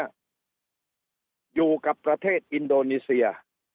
อยู่กับประเทศอินโดนีเซีย